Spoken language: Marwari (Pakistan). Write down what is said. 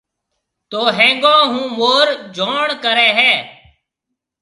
تو ھيَََنگون ھون مور جوڻ ڪرَي ھيََََ